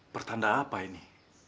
pertanda apa ini